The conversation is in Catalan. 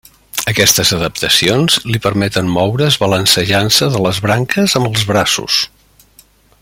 Aquestes adaptacions li permeten moure's balancejant-se de les branques amb els braços.